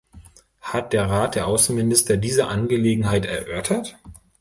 Hat der Rat der Außenminister diese Angelegenheit erörtert?